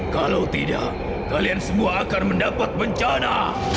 kalau tidak kalian semua akan mendapat bencana